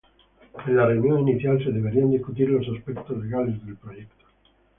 En la reunión inicial se deberían discutir los aspectos legales del proyecto.